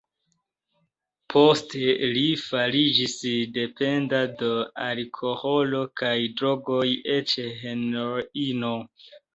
Poste li fariĝis dependa de alkoholo kaj drogoj, eĉ heroino.